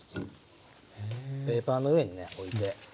ペーパーの上にね置いて。